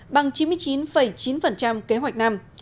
bằng chín mươi chín chín kế hoạch năm